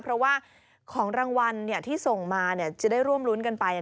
เพราะว่าของรางวัลที่ส่งมาจะได้ร่วมรุ้นกันไป